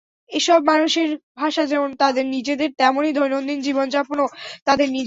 এসব মানুষের ভাষা যেমন তাদের নিজেদের, তেমনই দৈনিন্দন জীবনযাপনও তাদের নিজেদের।